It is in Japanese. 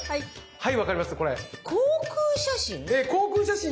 はい。